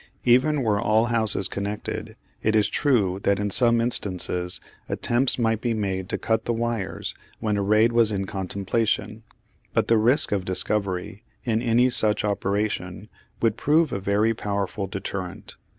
Even were all houses connected it is true that in some instances attempts might be made to cut the wires when a raid was in contemplation, but the risk of discovery in any such operation would prove a very powerful deterrent.